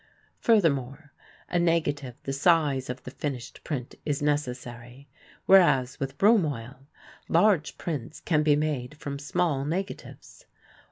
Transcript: Furthermore, a negative the size of the finished print is necessary, whereas with bromoil, large prints can be made from small negatives.